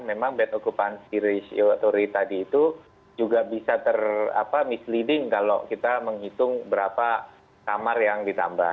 memang bad occupancy ratio atory tadi itu juga bisa ter misleading kalau kita menghitung berapa kamar yang ditambah